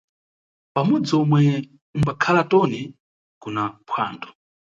Pamudzi omwe umbakhala Toni kuna phwando.